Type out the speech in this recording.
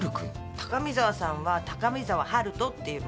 高見沢さんは高見沢春斗っていうの。